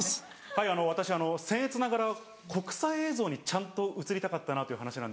はい私せんえつながら国際映像にちゃんと映りたかったという話なんですけども。